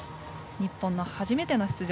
日本の初めての出場